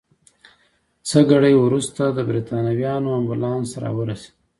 څه ګړی وروسته د بریتانویانو امبولانس راورسېد.